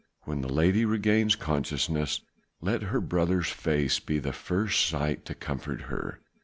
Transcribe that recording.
When the lady regains consciousness let her brother's face be the first sight to comfort her.